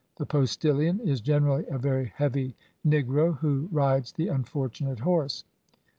The postillion is generally a very heavy negro, who rides the unfortunate horse.